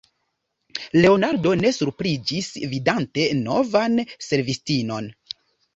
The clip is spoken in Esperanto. Leonardo ne surpriziĝis, vidante novan servistinon.